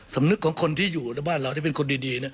สำนึกของคนที่อยู่ในบ้านเราที่เป็นคนดี